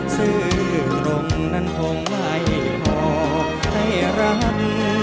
ซื้อร่มนั้นคงไม่พอให้รัก